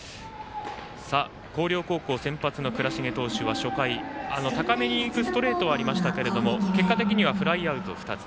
広陵高校先発の倉重投手は初回、高めに浮くストレートはありましたけど結果的にはフライアウト２つ。